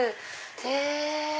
へぇ！